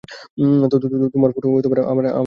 তোমার ফটো তো আমার হৃদয়ে ছেপেছি।